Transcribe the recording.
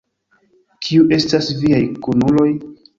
Kiu estas viaj kunuloj?